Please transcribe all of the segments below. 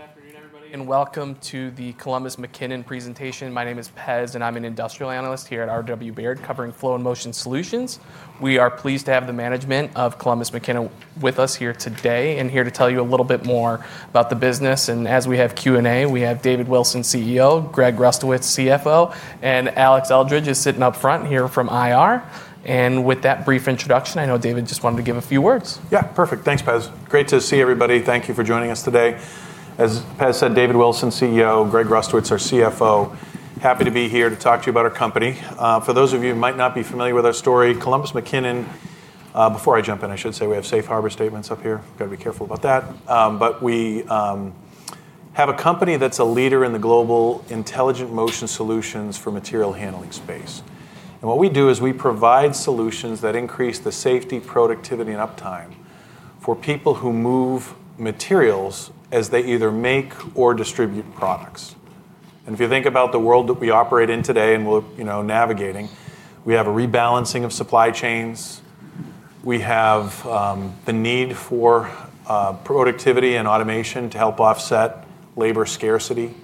Good afternoon, everybody. Welcome to the Columbus McKinnon presentation. My name is Pez, and I'm an industrial analyst here at RW Baird, covering flow and motion solutions. We are pleased to have the management of Columbus McKinnon with us here today and here to tell you a little bit more about the business. As we have Q&A, we have David Wilson, CEO; Greg Rustowicz, CFO; and Alex Eldridge is sitting up front here from IR. With that brief introduction, I know David just wanted to give a few words. Yeah, perfect. Thanks, Pez. Great to see everybody. Thank you for joining us today. As Pez said, David Wilson, CEO; Greg Rustowicz, our CFO. Happy to be here to talk to you about our company. For those of you who might not be familiar with our story, Columbus McKinnon—before I jump in, I should say we have safe harbor statements up here. Got to be careful about that. We have a company that's a leader in the global intelligent motion solutions for material handling space. What we do is we provide solutions that increase the safety, productivity, and uptime for people who move materials as they either make or distribute products. If you think about the world that we operate in today and we're navigating, we have a rebalancing of supply chains. We have the need for productivity and automation to help offset labor scarcity.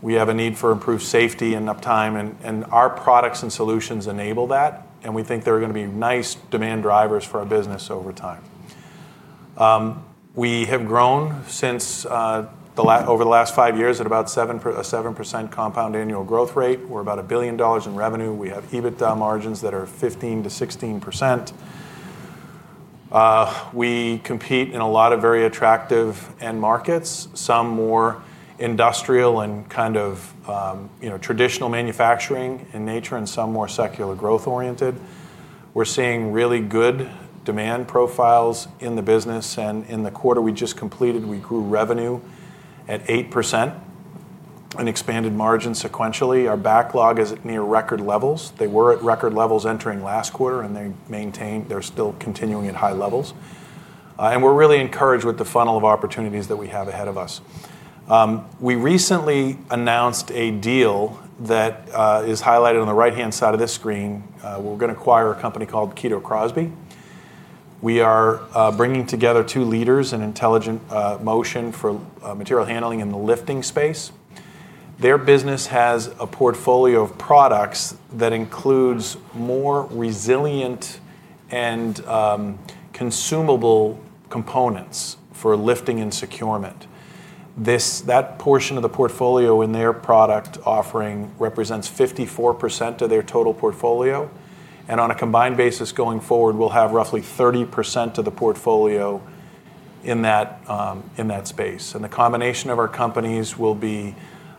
We have a need for improved safety and uptime, and our products and solutions enable that, and we think they're going to be nice demand drivers for our business over time. We have grown over the last five years at about a 7% compound annual growth rate. We're about a billion dollars in revenue. We have EBITDA margins that are 15%-16%. We compete in a lot of very attractive end markets, some more industrial and kind of traditional manufacturing in nature, and some more secular growth-oriented. We're seeing really good demand profiles in the business. In the quarter we just completed, we grew revenue at 8% and expanded margins sequentially. Our backlog is near record levels. They were at record levels entering last quarter, and they're still continuing at high levels. We're really encouraged with the funnel of opportunities that we have ahead of us. We recently announced a deal that is highlighted on the right-hand side of this screen. We're going to acquire a company called Kito Crosby. We are bringing together two leaders in intelligent motion for material handling in the lifting space. Their business has a portfolio of products that includes more resilient and consumable components for lifting and securement. That portion of the portfolio in their product offering represents 54% of their total portfolio. On a combined basis, going forward, we'll have roughly 30% of the portfolio in that space. The combination of our companies will be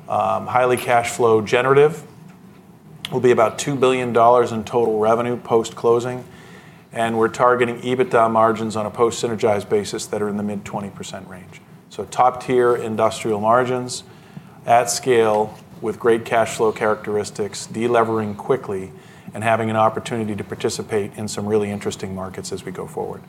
highly cash flow generative. We'll be about $2 billion in total revenue post-closing. We're targeting EBITDA margins on a post-synergized basis that are in the mid-20% range. Top-tier industrial margins at scale with great cash flow characteristics, delevering quickly, and having an opportunity to participate in some really interesting markets as we go forward.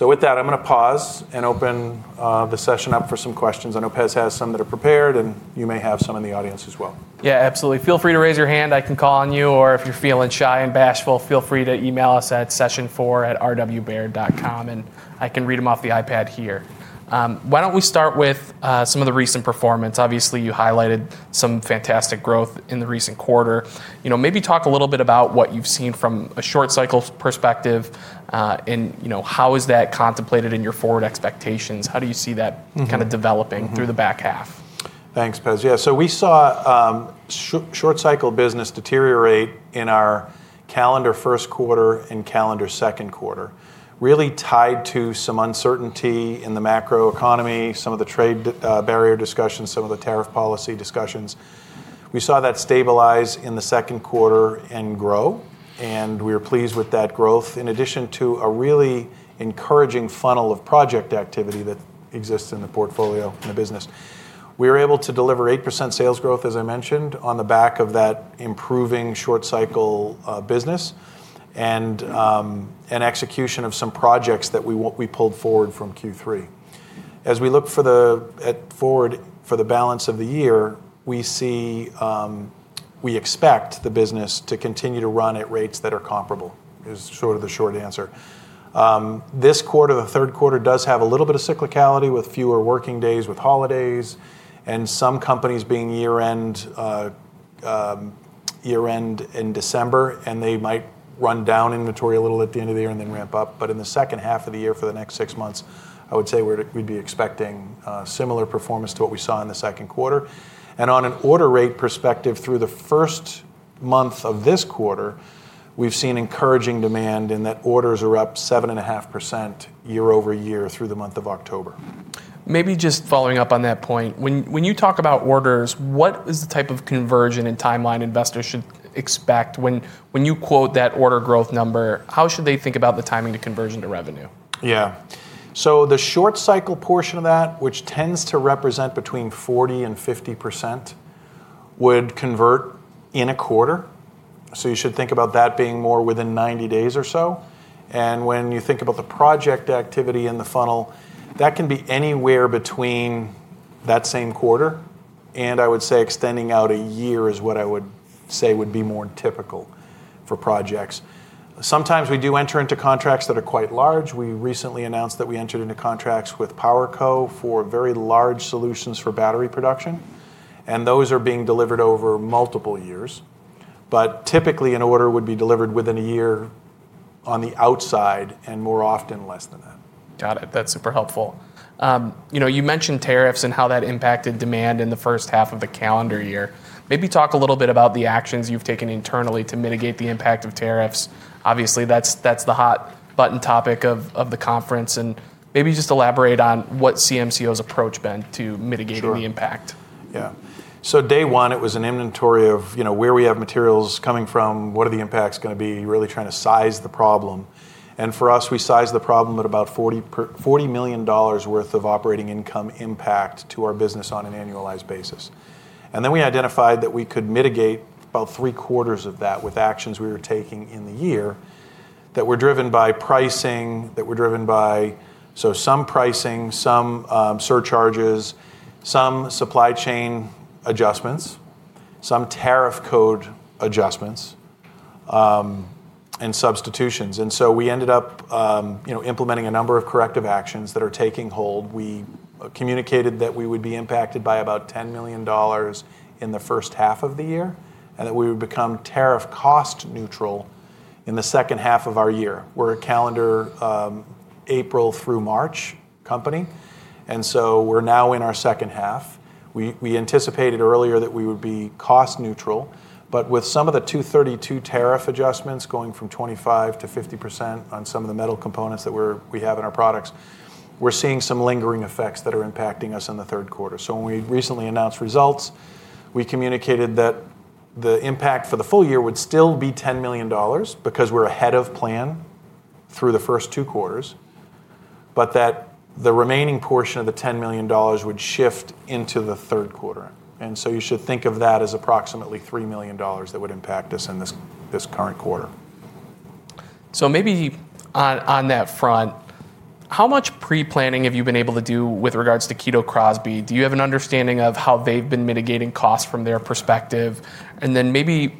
With that, I'm going to pause and open the session up for some questions. I know Pez has some that are prepared, and you may have some in the audience as well. Yeah, absolutely. Feel free to raise your hand. I can call on you. Or if you're feeling shy and bashful, feel free to email us at session4@rwbaird.com, and I can read them off the iPad here. Why don't we start with some of the recent performance? Obviously, you highlighted some fantastic growth in the recent quarter. Maybe talk a little bit about what you've seen from a short-cycle perspective and how is that contemplated in your forward expectations. How do you see that kind of developing through the back half? Thanks, Pez. Yeah, so we saw short-cycle business deteriorate in our calendar first quarter and calendar second quarter, really tied to some uncertainty in the macroeconomy, some of the trade barrier discussions, some of the tariff policy discussions. We saw that stabilize in the second quarter and grow. We were pleased with that growth, in addition to a really encouraging funnel of project activity that exists in the portfolio and the business. We were able to deliver 8% sales growth, as I mentioned, on the back of that improving short-cycle business and execution of some projects that we pulled forward from Q3. As we look forward for the balance of the year, we expect the business to continue to run at rates that are comparable is sort of the short answer. This quarter, the third quarter, does have a little bit of cyclicality with fewer working days with holidays and some companies being year-end in December, and they might run down inventory a little at the end of the year and then ramp up. In the second half of the year, for the next six months, I would say we'd be expecting similar performance to what we saw in the second quarter. On an order rate perspective, through the first month of this quarter, we've seen encouraging demand in that orders are up 7.5% year-over-year through the month of October. Maybe just following up on that point, when you talk about orders, what is the type of conversion and timeline investors should expect? When you quote that order growth number, how should they think about the timing to conversion to revenue? Yeah. The short-cycle portion of that, which tends to represent between 40% and 50%, would convert in a quarter. You should think about that being more within 90 days or so. When you think about the project activity in the funnel, that can be anywhere between that same quarter. I would say extending out a year is what I would say would be more typical for projects. Sometimes we do enter into contracts that are quite large. We recently announced that we entered into contracts with PowerCo for very large solutions for battery production. Those are being delivered over multiple years. Typically, an order would be delivered within a year on the outside and more often less than that. Got it. That's super helpful. You mentioned tariffs and how that impacted demand in the first half of the calendar year. Maybe talk a little bit about the actions you've taken internally to mitigate the impact of tariffs. Obviously, that's the hot-button topic of the conference. Maybe just elaborate on what CMCO's approach has been to mitigating the impact. Yeah. Day one, it was an inventory of where we have materials coming from, what are the impacts going to be, really trying to size the problem. For us, we sized the problem at about $40 million worth of operating income impact to our business on an annualized basis. We identified that we could mitigate about 3/4 of that with actions we were taking in the year that were driven by pricing, that were driven by some pricing, some surcharges, some supply chain adjustments, some tariff code adjustments, and substitutions. We ended up implementing a number of corrective actions that are taking hold. We communicated that we would be impacted by about $10 million in the first half of the year and that we would become tariff cost neutral in the second half of our year. We're a calendar April through March company. We're now in our second half. We anticipated earlier that we would be cost neutral. With some of the 232 tariff adjustments going from 25%-50% on some of the metal components that we have in our products, we're seeing some lingering effects that are impacting us in the third quarter. When we recently announced results, we communicated that the impact for the full year would still be $10 million because we're ahead of plan through the first two quarters, but the remaining portion of the $10 million would shift into the third quarter. You should think of that as approximately $3 million that would impact us in this current quarter. Maybe on that front, how much pre-planning have you been able to do with regards to Kito Crosby? Do you have an understanding of how they've been mitigating costs from their perspective? Then maybe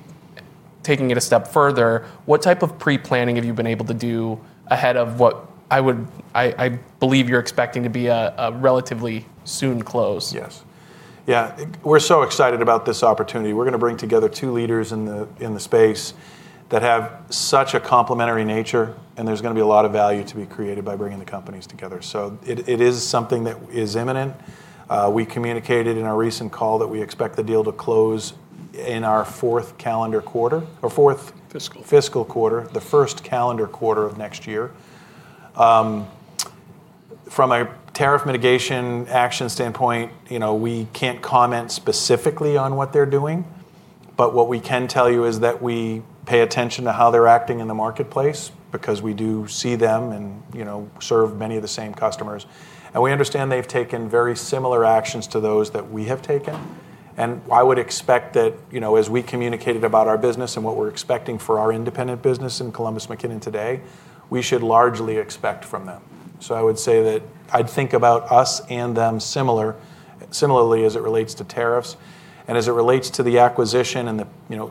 taking it a step further, what type of pre-planning have you been able to do ahead of what I believe you're expecting to be a relatively soon close? Yes. Yeah. We're so excited about this opportunity. We're going to bring together two leaders in the space that have such a complementary nature, and there's going to be a lot of value to be created by bringing the companies together. It is something that is imminent. We communicated in our recent call that we expect the deal to close in our fourth calendar quarter or fourth. Fiscal. Fiscal quarter, the first calendar quarter of next year. From a tariff mitigation action standpoint, we can't comment specifically on what they're doing. What we can tell you is that we pay attention to how they're acting in the marketplace because we do see them and serve many of the same customers. We understand they've taken very similar actions to those that we have taken. I would expect that as we communicated about our business and what we're expecting for our independent business in Columbus McKinnon today, we should largely expect from them. I would say that I'd think about us and them similarly as it relates to tariffs. As it relates to the acquisition and the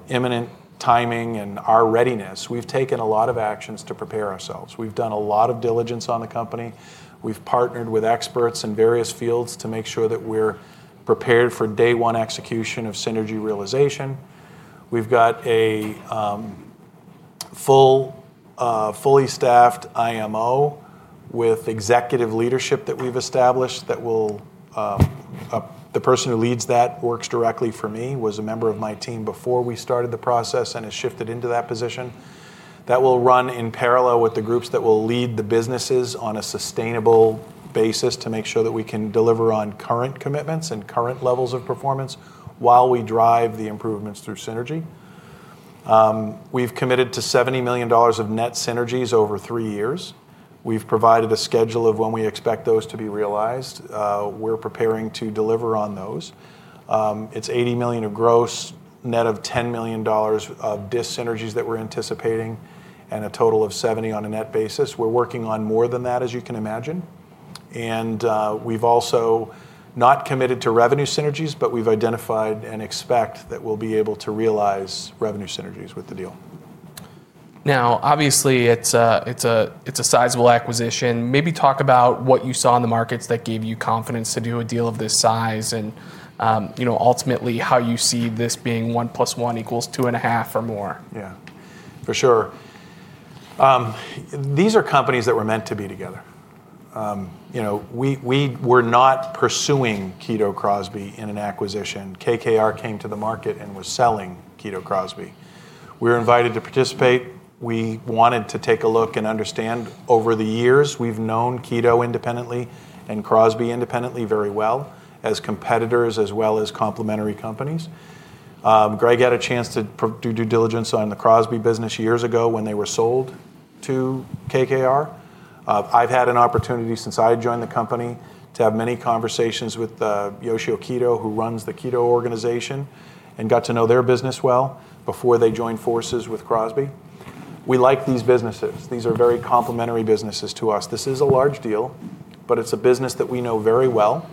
imminent timing and our readiness, we've taken a lot of actions to prepare ourselves. We've done a lot of diligence on the company. We've partnered with experts in various fields to make sure that we're prepared for day one execution of synergy realization. We've got a fully staffed IMO with executive leadership that we've established. The person who leads that works directly for me, was a member of my team before we started the process and has shifted into that position, that will run in parallel with the groups that will lead the businesses on a sustainable basis to make sure that we can deliver on current commitments and current levels of performance while we drive the improvements through synergy. We've committed to $70 million of net synergies over three years. We've provided a schedule of when we expect those to be realized. We're preparing to deliver on those. It's $80 million of gross, net of $10 million of disynergies that we're anticipating, and a total of $70 million on a net basis. We're working on more than that, as you can imagine. We've also not committed to revenue synergies, but we've identified and expect that we'll be able to realize revenue synergies with the deal. Now, obviously, it's a sizable acquisition. Maybe talk about what you saw in the markets that gave you confidence to do a deal of this size and ultimately how you see this being 1 + 1 = 2.5 or more. Yeah, for sure. These are companies that were meant to be together. We were not pursuing Kito Crosby in an acquisition. KKR came to the market and was selling Kito Crosby. We were invited to participate. We wanted to take a look and understand over the years, we've known Kito independently and Crosby independently very well as competitors as well as complementary companies. Greg had a chance to do due diligence on the Crosby business years ago when they were sold to KKR. I've had an opportunity since I joined the company to have many conversations with Yoshio Kito, who runs the Kito organization, and got to know their business well before they joined forces with Crosby. We like these businesses. These are very complementary businesses to us. This is a large deal, but it's a business that we know very well.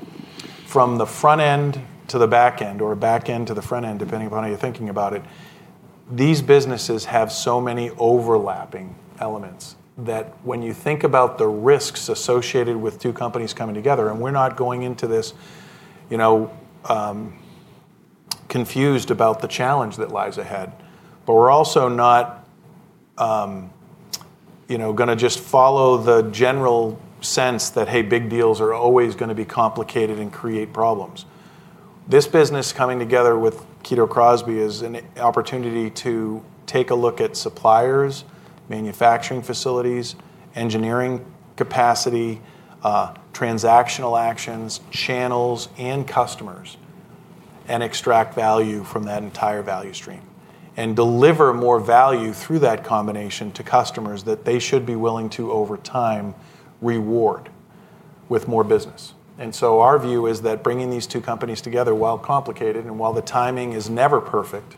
From the front end to the back end, or back end to the front end, depending upon how you're thinking about it, these businesses have so many overlapping elements that when you think about the risks associated with two companies coming together, and we're not going into this confused about the challenge that lies ahead, but we're also not going to just follow the general sense that, hey, big deals are always going to be complicated and create problems. This business coming together with Kito Crosby is an opportunity to take a look at suppliers, manufacturing facilities, engineering capacity, transactional actions, channels, and customers, and extract value from that entire value stream and deliver more value through that combination to customers that they should be willing to, over time, reward with more business. Our view is that bringing these two companies together, while complicated and while the timing is never perfect,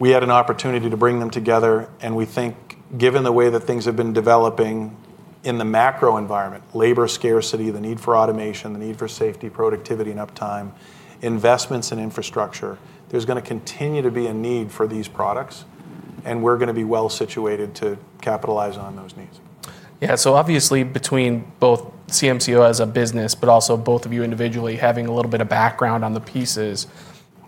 we had an opportunity to bring them together. We think, given the way that things have been developing in the macro environment, labor scarcity, the need for automation, the need for safety, productivity, and uptime, investments in infrastructure, there is going to continue to be a need for these products. We are going to be well situated to capitalize on those needs. Yeah. So obviously, between both CMCO as a business, but also both of you individually having a little bit of background on the pieces,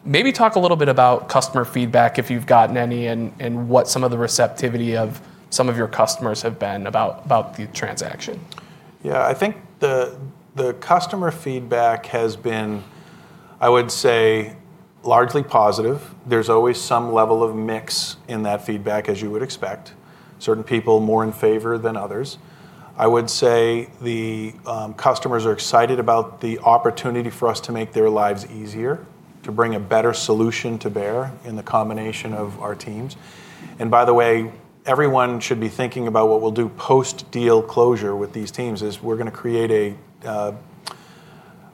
maybe talk a little bit about customer feedback, if you've gotten any, and what some of the receptivity of some of your customers have been about the transaction. Yeah. I think the customer feedback has been, I would say, largely positive. There's always some level of mix in that feedback, as you would expect. Certain people more in favor than others. I would say the customers are excited about the opportunity for us to make their lives easier, to bring a better solution to bear in the combination of our teams. By the way, everyone should be thinking about what we'll do post-deal closure with these teams is we're going to create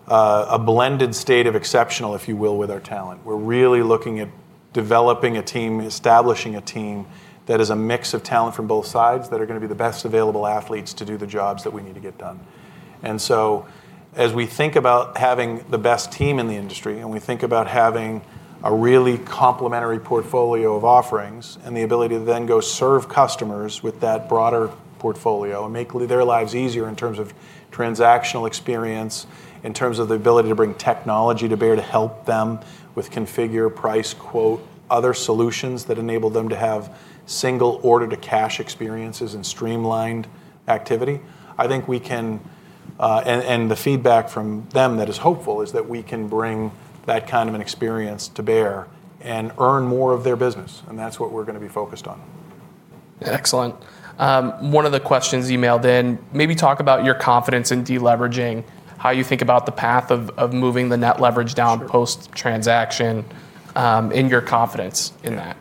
a blended state of exceptional, if you will, with our talent. We're really looking at developing a team, establishing a team that is a mix of talent from both sides that are going to be the best available athletes to do the jobs that we need to get done. As we think about having the best team in the industry and we think about having a really complementary portfolio of offerings and the ability to then go serve customers with that broader portfolio and make their lives easier in terms of transactional experience, in terms of the ability to bring technology to bear to help them with configure, price, quote, other solutions that enable them to have single order to cash experiences and streamlined activity, I think we can and the feedback from them that is hopeful is that we can bring that kind of an experience to bear and earn more of their business. That is what we are going to be focused on. Excellent. One of the questions emailed in, maybe talk about your confidence in deleveraging, how you think about the path of moving the net leverage down post-transaction and your confidence in that.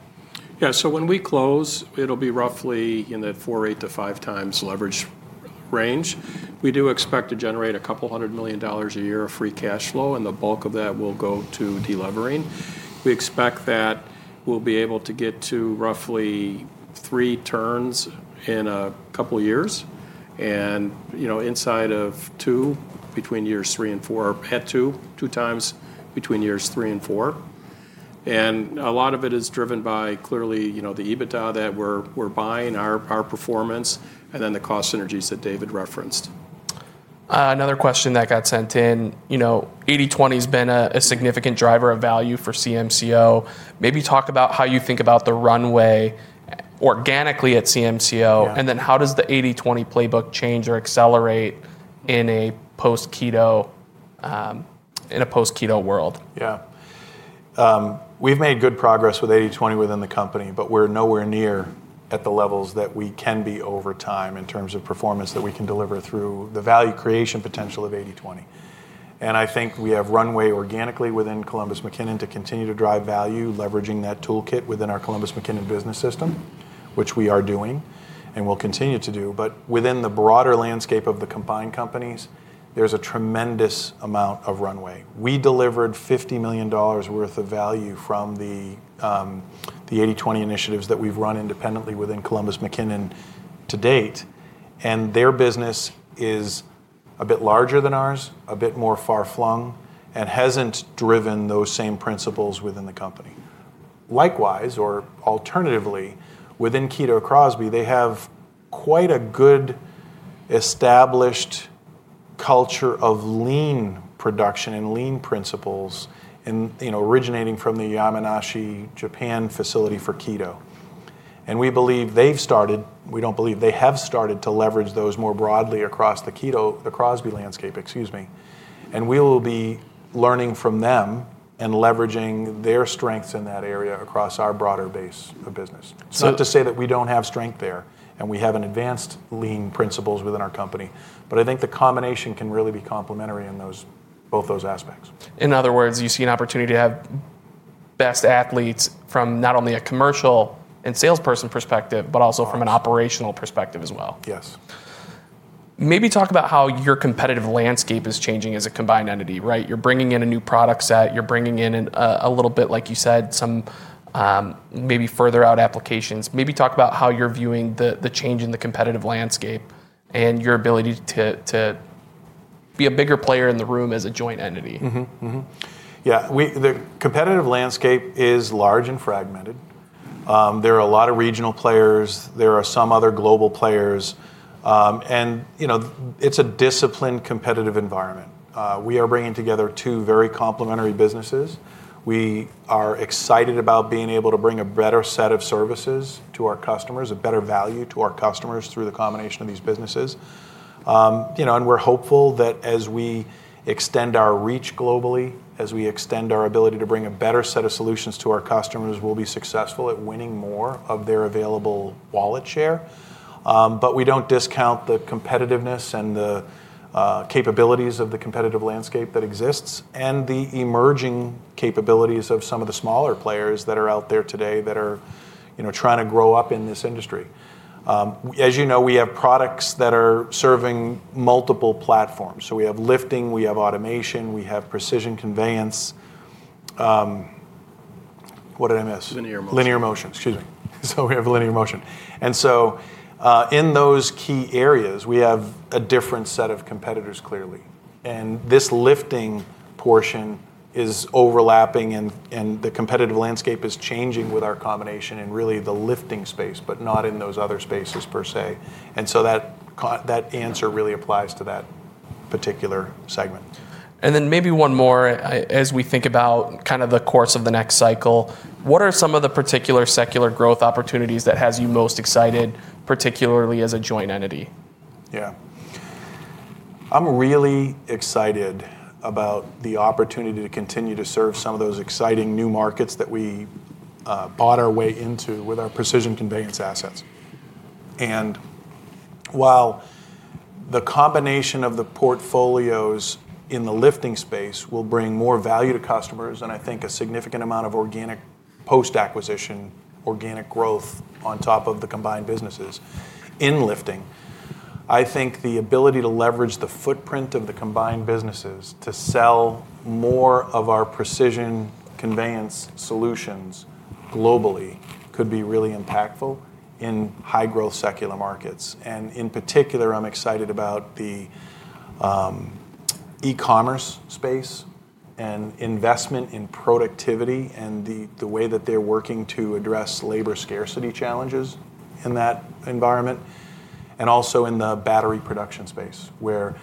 Yeah. When we close, it'll be roughly in the 4.8-5 times leverage range. We do expect to generate a couple hundred million dollars a year of free cash flow, and the bulk of that will go to delevering. We expect that we'll be able to get to roughly three turns in a couple of years and inside of two between years three and four, or at 2-2 times between years three and four. A lot of it is driven by clearly the EBITDA that we're buying, our performance, and then the cost synergies that David referenced. Another question that got sent in, 80/20 has been a significant driver of value for CMCO. Maybe talk about how you think about the runway organically at CMCO, and then how does the 80/20 playbook change or accelerate in a post-Kito world? Yeah. We've made good progress with 80/20 within the company, but we're nowhere near at the levels that we can be over time in terms of performance that we can deliver through the value creation potential of 80/20. I think we have runway organically within Columbus McKinnon to continue to drive value, leveraging that toolkit within our Columbus McKinnon business system, which we are doing and will continue to do. Within the broader landscape of the combined companies, there's a tremendous amount of runway. We delivered $50 million worth of value from the 80/20 initiatives that we've run independently within Columbus McKinnon to date. Their business is a bit larger than ours, a bit more far-flung, and hasn't driven those same principles within the company. Likewise, or alternatively, within Kito Crosby, they have quite a good established culture of lean production and lean principles originating from the Yamanashi, Japan, facility for Kito. We believe they've started, we don't believe they have started to leverage those more broadly across the Kito Crosby landscape, excuse me. We will be learning from them and leveraging their strengths in that area across our broader base of business. Not to say that we don't have strength there, and we have advanced lean principles within our company. I think the combination can really be complementary in both those aspects. In other words, you see an opportunity to have best athletes from not only a commercial and salesperson perspective, but also from an operational perspective as well. Yes. Maybe talk about how your competitive landscape is changing as a combined entity, right? You're bringing in a new product set. You're bringing in a little bit, like you said, some maybe further out applications. Maybe talk about how you're viewing the change in the competitive landscape and your ability to be a bigger player in the room as a joint entity. Yeah. The competitive landscape is large and fragmented. There are a lot of regional players. There are some other global players. It is a disciplined competitive environment. We are bringing together two very complementary businesses. We are excited about being able to bring a better set of services to our customers, a better value to our customers through the combination of these businesses. We are hopeful that as we extend our reach globally, as we extend our ability to bring a better set of solutions to our customers, we will be successful at winning more of their available wallet share. We do not discount the competitiveness and the capabilities of the competitive landscape that exists and the emerging capabilities of some of the smaller players that are out there today that are trying to grow up in this industry. As you know, we have products that are serving multiple platforms. We have lifting, we have automation, we have precision conveyance. What did I miss? Linear motion. Linear motion, excuse me. We have linear motion. In those key areas, we have a different set of competitors clearly. This lifting portion is overlapping, and the competitive landscape is changing with our combination in really the lifting space, but not in those other spaces per se. That answer really applies to that particular segment. Maybe one more. As we think about kind of the course of the next cycle, what are some of the particular secular growth opportunities that have you most excited, particularly as a joint entity? Yeah. I'm really excited about the opportunity to continue to serve some of those exciting new markets that we bought our way into with our precision conveyance assets. While the combination of the portfolios in the lifting space will bring more value to customers and I think a significant amount of post-acquisition organic growth on top of the combined businesses in lifting, I think the ability to leverage the footprint of the combined businesses to sell more of our precision conveyance solutions globally could be really impactful in high-growth secular markets. In particular, I'm excited about the e-commerce space and investment in productivity and the way that they're working to address labor scarcity challenges in that environment, and also in the battery production space, where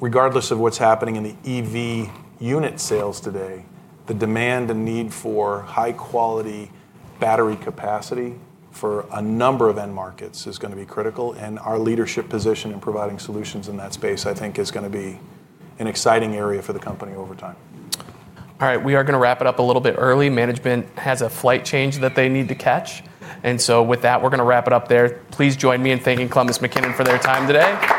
regardless of what's happening in the EV unit sales today, the demand and need for high-quality battery capacity for a number of end markets is going to be critical. Our leadership position in providing solutions in that space, I think, is going to be an exciting area for the company over time. All right. We are going to wrap it up a little bit early. Management has a flight change that they need to catch. With that, we're going to wrap it up there. Please join me in thanking Columbus McKinnon for their time today. Thank you.